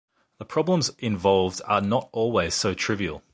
The problems involved are not always so trivial.